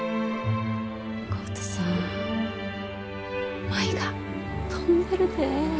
浩太さん舞が飛んでるで。